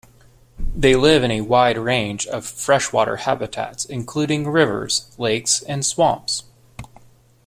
They live in a wide range of freshwater habitats, including rivers, lakes, and swamps.